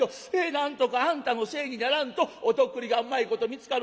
なんとかあんたのせいにならんとお徳利がうまいこと見つかる。